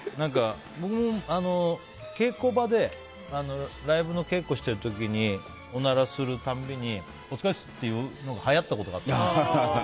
僕も稽古場でライブの稽古をしている時におならするたびにお疲れっすって言うのがはやったことがあって。